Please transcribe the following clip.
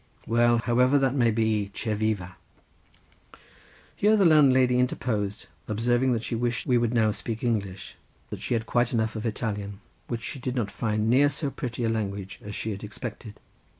Well, however that may be, che viva." Here the landlady interposed, observing that she wished we would now speak English, for that she had quite enough of Italian, which she did not find near so pretty a language as she had expected.